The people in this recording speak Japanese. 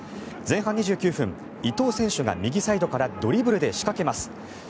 前半２９分、伊東選手が右サイドからドリブルで仕掛けます。